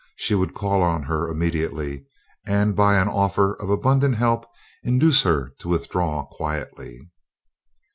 She would call on her immediately, and by an offer of abundant help induce her to withdraw quietly.